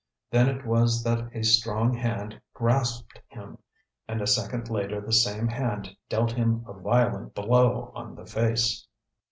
Then it was that a strong hand grasped him, and a second later the same hand dealt him a violent blow on the face.